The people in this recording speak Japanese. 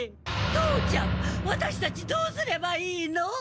父ちゃんワタシたちどうすればいいの！